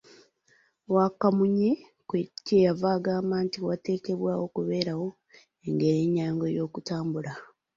Wakamunye kye yava agamba nti, wateekwa okubeerawo engeri ennyangu ey'okutambula.